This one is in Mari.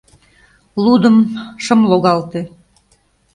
— Лудым... шым логалте...